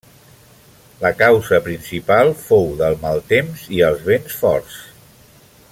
La causa principal fou del mal temps i els vents forts.